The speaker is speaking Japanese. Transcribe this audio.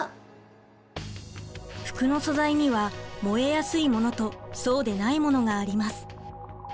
服の素材には燃えやすいものとそうでないものがあります。